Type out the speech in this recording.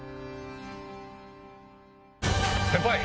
先輩！